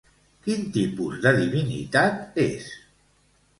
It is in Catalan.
Quin tipus de divinitat és?